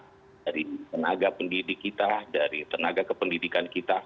dari tenaga pendidik kita dari tenaga kependidikan kita